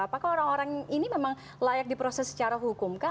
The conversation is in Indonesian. apakah orang orang ini memang layak diproses secara hukum kah